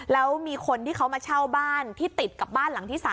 แล้วมีคนที่เขามาเช่าบ้านที่ติดกับบ้านหลังที่๓